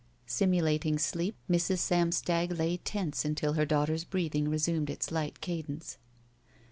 Simtdating sleep, Mrs. Samstag lay tense until her daughter's breathing resumed its light cadence.